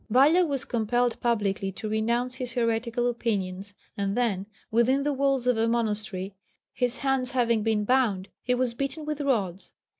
Valla was compelled publicly to renounce his heretical opinions, and then, within the walls of a monastery, his hands having been bound, he was beaten with rods.